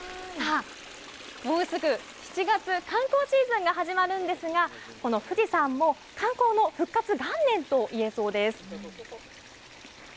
もうすぐ７月、観光シーズンが始まるんですが富士山も観光の復活元年と言えそうです。